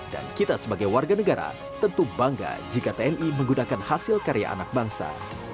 dan kita sebagai warga negara tentu bangga jika tni menggunakan hasil karya anak bangsa